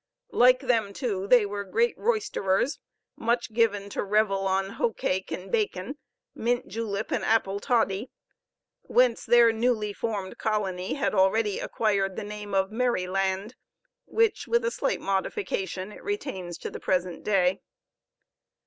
Like them, too, they were great roisterers, much given to revel on hoe cake and bacon, mint julep and apple toddy; whence their newly formed colony had already acquired the name of Merryland, which, with a slight modification, it retains to the present day.